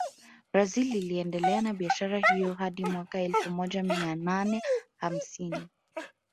Brazil iliendelea na biashara hiyo hadi mwaka elfu moja mia nane hamsini